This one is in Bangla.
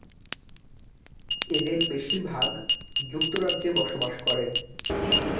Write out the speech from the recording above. এদের বেশীর ভাগ যুক্তরাজ্যে বসবাস করেন।